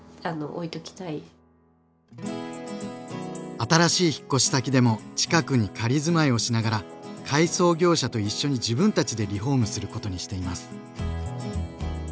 新しい引っ越し先でも近くに仮住まいをしながら改装業者と一緒に自分たちでリフォームすることにしています。